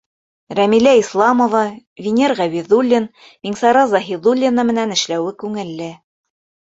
Рәмилә Исламова, Венер Ғәбиҙуллин, Миңсара Заһиҙуллина менән эшләүе күңелле.